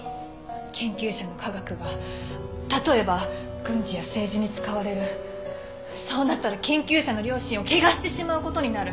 研究者の科学が例えば軍事や政治に使われるそうなったら研究者の良心を汚してしまう事になる。